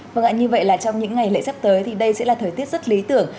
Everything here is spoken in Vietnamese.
vâng ạ như vậy là trong những ngày lễ sắp tới thì đây sẽ là thời tiết rất lý tưởng